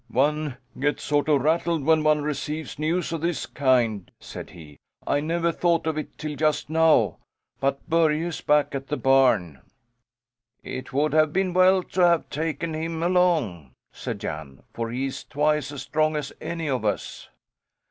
"One gets sort of rattled when one receives news of this kind," said he. "I never thought of it till just now but Börje is back at the barn." "It would have been well to have taken him along," said Jan, "for he's twice as strong as any of us."